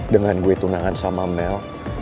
dengan kue tunangan sama mel